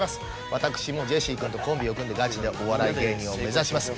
私もジェシー君とコンビを組んでガチでお笑い芸人を目指します。